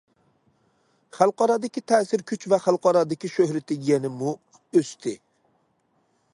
خەلقئارادىكى تەسىر كۈچ ۋە خەلقئارادىكى شۆھرىتى يەنىمۇ ئۆستى.